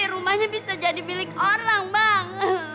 rumahnya bisa jadi milik orang bang